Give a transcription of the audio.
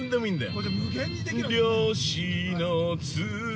◆これ、無限にできる。